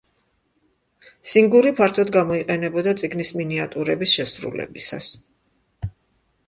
სინგური ფართოდ გამოიყენებოდა წიგნის მინიატურების შესრულებისას.